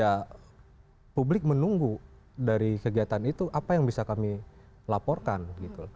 ya publik menunggu dari kegiatan itu apa yang bisa kami laporkan gitu